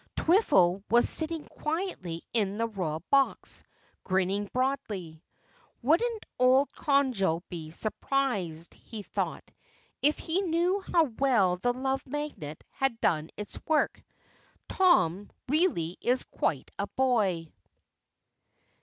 Twiffle was sitting quietly in the Royal Box, grinning broadly. "Wouldn't old Conjo be surprised," he thought, "if he knew how well the Love Magnet has done its work? Tom really is quite a boy!"